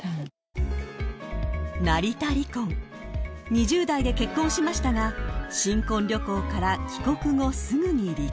［２０代で結婚しましたが新婚旅行から帰国後すぐに離婚］